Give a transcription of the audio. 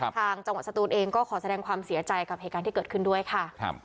จังหวัดสตูนเองก็ขอแสดงความเสียใจกับเหตุการณ์ที่เกิดขึ้นด้วยค่ะ